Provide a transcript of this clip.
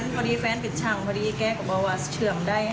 พอดีแฟนปิดช่างพอดีแกก็บอกว่าเชื่อมได้